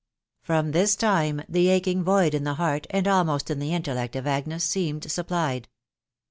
From this time the aching void in the heart, and almost in the intellect of Agnes, seemed supplied.